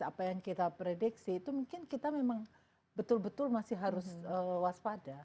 apa yang kita prediksi itu mungkin kita memang betul betul masih harus waspada